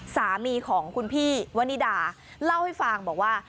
สามีของคุณพี่วนิดาเล่าให้ฟังบอกว่า